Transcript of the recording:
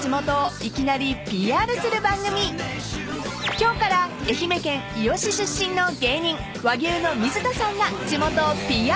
［今日から愛媛県伊予市出身の芸人和牛の水田さんが地元をＰＲ］